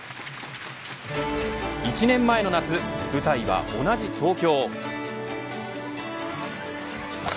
１年前の夏、舞台は同じ東京。